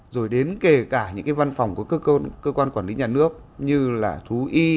rồi đến kể cả những cái văn phòng của cơ quan quản lý nhà nước như là thú y